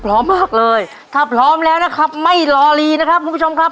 พร้อมมากเลยถ้าพร้อมแล้วนะครับไม่รอลีนะครับคุณผู้ชมครับ